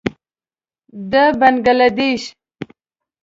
د بنګله دېش.